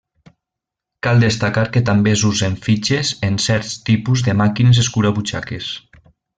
Cal destacar que també s'usen fitxes en certs tipus de màquines escurabutxaques.